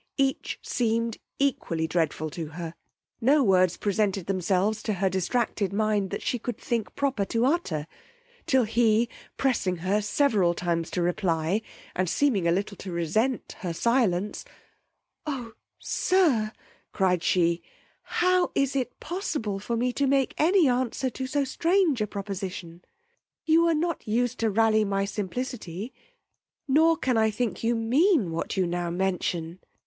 Each seemed equally dreadful to her: no words presented themselves to her distracted mind that she could think proper to utter, till he pressing her several times to reply, and seeming a little to resent her silence Oh! sir, cried she, how is it possible for me to make any answer to so strange a proposition! you were not used to rally my simplicity; nor can I think you mean what you now mention.